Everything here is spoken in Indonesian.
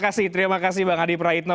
oke baik terima kasih bang adi prahitno